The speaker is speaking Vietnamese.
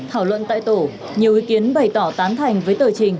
thảo luận tại tổ nhiều ý kiến bày tỏ tán thành với tờ trình